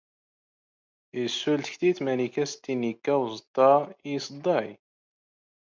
ⵉⵙ ⵙⵓⵍ ⵜⴽⵯⵜⵉⵜ ⵎⴰⵏⵉⴽ ⴰⵙ ⵜⵜ ⵉⵏⵏ ⵉⴽⴽⴰ ⵓⵥⵟⵟⴰ ⵉⵥⴹⴰⵢ?